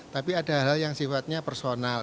tapi ada hal yang sifatnya personal